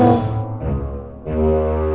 soal memperhatikan kamu